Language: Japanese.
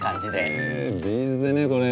へえビーズでねこれ。